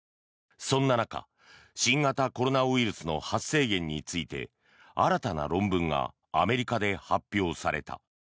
そんな中、新型コロナウイルスの発生源について新たな論文がアメリカで発表された。